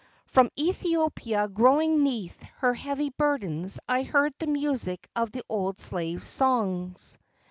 From Ethiopia, groaning 'neath her heavy burdens, I heard the music of the old slave songs.